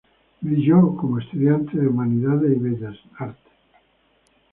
Brilló como estudiante de Humanidades y Bellas Artes.